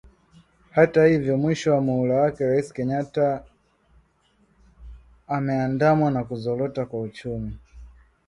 Hata hivyo, mwisho wa muhula wake Rais Kenyatta umeandamwa na kuzorota kwa uchumi